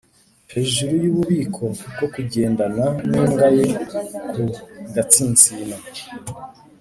hejuru yububiko bwo kugendana nimbwa ye ku gatsinsino,